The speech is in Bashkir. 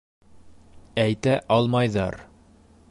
Әйтә алмайҙар.